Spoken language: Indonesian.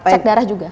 cek darah juga